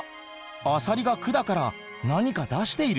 アサリが管から何か出している。